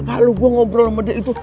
kalau gue ngobrol sama dia itu